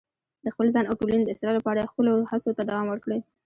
د خپل ځان او ټولنې د اصلاح لپاره خپلو هڅو ته دوام ورکړئ.